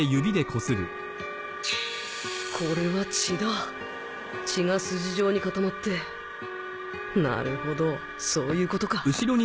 これは血だ血が筋状に固まってなるほどそういうことか！